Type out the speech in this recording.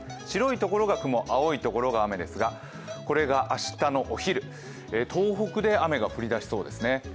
白いところが雲青いところが雨ですが、これが明日のお昼、東北で雨が降り出しそうですね。